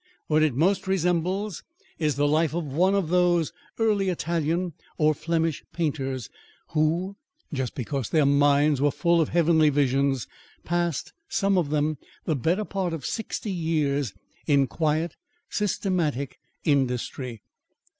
What it most resembles is the life of one of those early Italian or Flemish painters, who, just because their minds were full of heavenly visions, passed, some of them, the better part of sixty years in quiet, systematic industry.